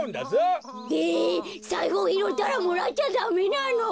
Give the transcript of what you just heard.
えさいふをひろったらもらっちゃダメなの？